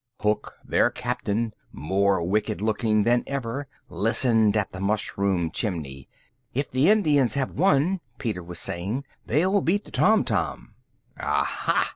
Hook, their captain, more wicked looking than ever, listened at the mushroom chimney. "If the Indians have won," Peter was saying, "they'll beat the tom tom." "Aha!"